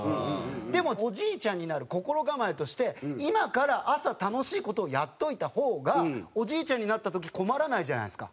でもおじいちゃんになる心構えとして今から朝楽しい事をやっといた方がおじいちゃんになった時困らないじゃないですか。